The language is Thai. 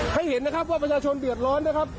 ให้เห็นนะครับว่าประชาชนเดือดร้อนนะครับ